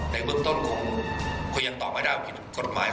ในเบื้องต้นคงยังตอบไม่ได้ว่าผิดกฎหมาย